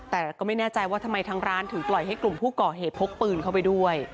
แต่ก็ไม่แน่ใจว่าทำไมทางร้านถึงปล่อยให้กลุ่มผู้ก่อเหตุพกปืนเข้าไปด้วย